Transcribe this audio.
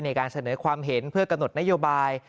ในการเสนอความเห็นเพื่อกำหนดนโยบาย